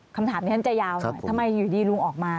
คำถามนี้ฉันจะยาวหน่อยทำไมอยู่ดีลุงออกมา